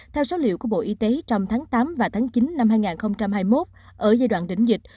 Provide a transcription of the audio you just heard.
theo số liệu của bộ y tế trong tháng tám và tháng chín năm hai nghìn hai mươi một ở giai đoạn đỉnh dịch